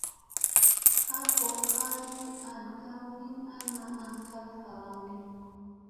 A fokkani an ka min ana aŋ kal varandi.